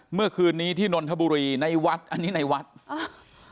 เมื่อคืนนี้ที่นนทบุรีในวัดอันนี้ในวัดอ่า